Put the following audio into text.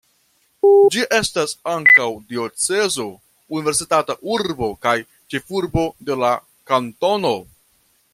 Ĝi estas ankaŭ diocezo, universitata urbo kaj ĉefurbo de la kantono.